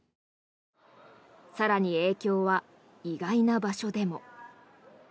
更に影響は意外な場所でも。